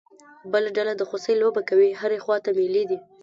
بله ډله د خوسی لوبه کوي، هرې خوا ته مېلې دي.